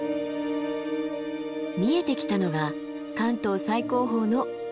見えてきたのが関東最高峰の日光白根山。